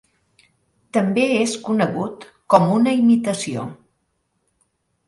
També es conegut com una imitació.